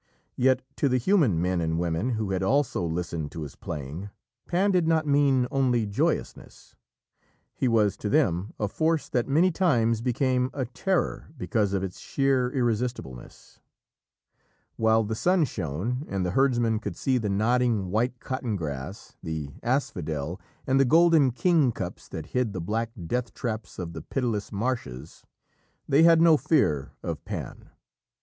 Yet to the human men and women who had also listened to his playing, Pan did not mean only joyousness. He was to them a force that many times became a terror because of its sheer irresistibleness. While the sun shone and the herdsmen could see the nodding white cotton grass, the asphodel, and the golden kingcups that hid the black death traps of the pitiless marshes, they had no fear of Pan.